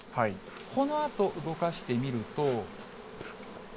このあと動かしてみると。